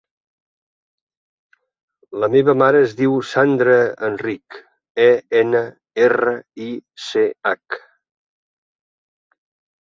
La meva mare es diu Sandra Enrich: e, ena, erra, i, ce, hac.